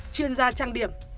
chuyên gia trang điểm